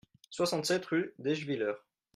soixante-sept rue d'Eschviller